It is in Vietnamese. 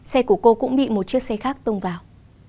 xe của cô cũng bị một chiếc xe khác tông vào